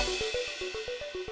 terima kasih banyak